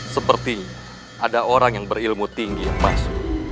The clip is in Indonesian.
seperti ada orang yang berilmu tinggi yang masuk